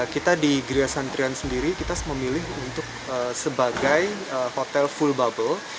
kita di gria santrian sendiri kita memilih untuk sebagai hotel full bubble